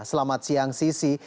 selamat siang sisi